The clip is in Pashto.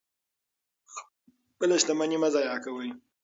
خپله شتمني مه ضایع کوئ.